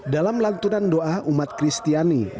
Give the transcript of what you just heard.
dalam melantunan doa umat kristiani berkata